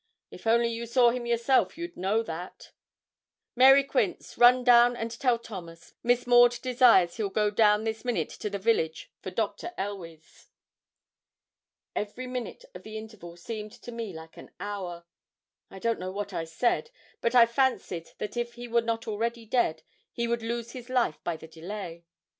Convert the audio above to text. If only you saw him yourself you'd know that. Mary Quince, run you down and tell Thomas, Miss Maud desires he'll go down this minute to the village for Dr. Elweys.' Every minute of the interval seemed to me like an hour. I don't know what I said, but I fancied that if he were not already dead, he would lose his life by the delay.